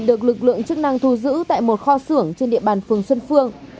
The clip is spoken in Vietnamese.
được lực lượng chức năng thu giữ tại một kho xưởng trên địa bàn phường xuân phương